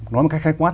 nói một cách khai quát